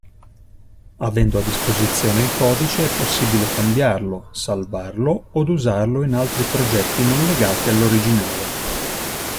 Avendo a disposizione il codice è possibile cambiarlo, salvarlo od usarlo in altri progetti non legati all'originale.